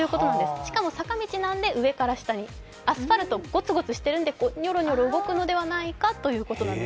しかも坂道なので上から下にアスファルトごつごつしてるんでニョロニョロ動くのではないかということです。